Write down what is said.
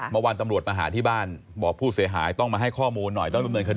เมื่อวานตำรวจมาหาที่บ้านบอกผู้เสียหายต้องมาให้ข้อมูลหน่อยต้องดำเนินคดี